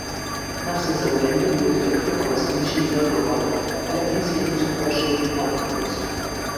Nach Saisonende wurde der Klub aus Nischni Nowgorod allerdings wegen zu hoher Schulden aufgelöst.